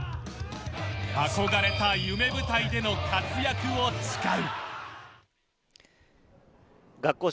あこがれた夢舞台での活躍を誓う。